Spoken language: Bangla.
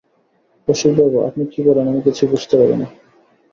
রসিকবাবু, আপনি কী বলেন আমি কিছু বুঝতে পারি নে।